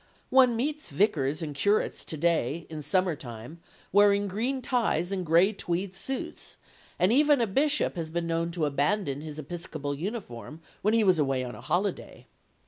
One meets vicars and curates to day, in summer time, wearing green ties and grey tweed suits, and even a bishop has been known to abandon his episcopal uniform when he was away on a holiday.